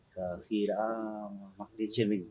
khi đã mặc lên trên mình